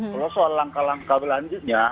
kalau soal langkah langkah selanjutnya